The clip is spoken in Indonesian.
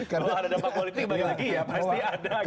kalau ada dampak politik balik lagi ya pasti ada